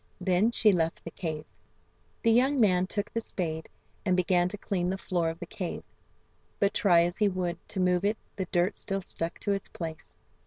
Then she left the cave. The young man took the spade, and began to clean the floor of the cave, but try as he would to move it the dirt still stuck to its place.